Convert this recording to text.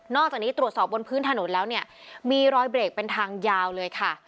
อกจากนี้ตรวจสอบบนพื้นถนนแล้วเนี่ยมีรอยเบรกเป็นทางยาวเลยค่ะ